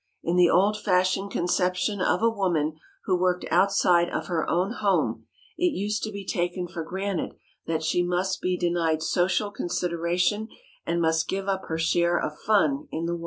In the old fashioned conception of a woman who worked outside of her own home, it used to be taken for granted that she must be denied social consideration and must give up her share of fun in the world.